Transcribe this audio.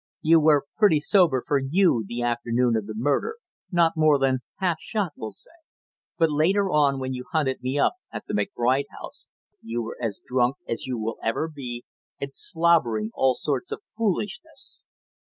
You were pretty sober for you the afternoon of the murder, not more than half shot, we'll say, but later on when you hunted me up at the McBride house, you were as drunk as you will ever be, and slobbering all sorts of foolishness!"